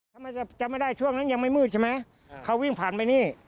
ทำไมจำไม่ได้ช่วงนั้นยังไม่มืดใช่ไหมเขาวิ่งผ่านไปนี่